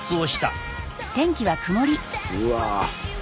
うわ。